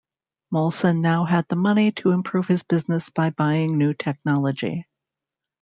Molson now had the money to improve his business by buying new technology.